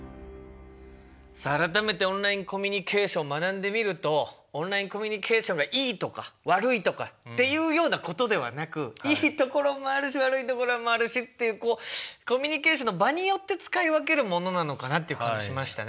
さあ改めてオンラインコミュニケーション学んでみるとオンラインコミュニケーションがいいとか悪いとかっていうようなことではなくいいところもあるし悪いところもあるしっていうコミュニケーションの場によって使い分けるものなのかなっていう感じしましたね。